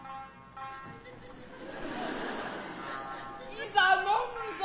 いざ呑むぞ。